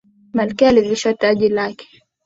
Malkia alivishwa taji lake.